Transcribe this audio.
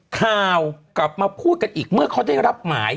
ข่าวกลับมาพูดกันอีกเมื่อเขาได้รับหมาย